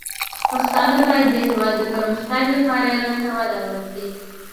پښتانه بايد د هېواد د پرمختګ لپاره علم ته وده ورکړي.